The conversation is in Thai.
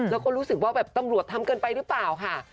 แล้วก็รู้สึกว่าแบบตำรวจทำเกินไปหรือเปล่าค่ะ